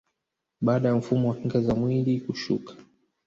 Baada ya mfumo wa kinga za mwili kushuka